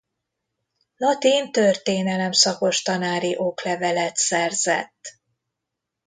Latin-történelem szakos tanári oklevelet szerzett.